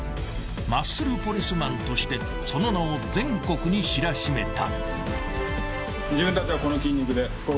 ［マッスルポリスマンとしてその名を全国に知らしめた］